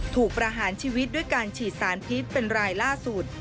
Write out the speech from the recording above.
ประหารชีวิตด้วยการฉีดสารพิษเป็นรายล่าสุด